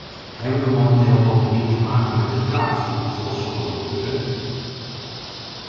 Hebben we momenteel bovendien te maken met deflatie, zoals sommigen beweren?